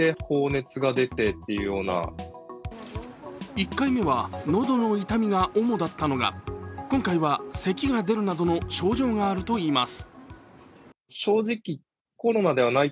１回目は喉の痛みが主だったのが今回はせきが出るなどの症状があるといいます。